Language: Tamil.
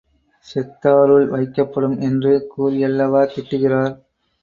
செத்தாருள் வைக்கப்படும் என்று கூறியல்லவா திட்டுகிறார்!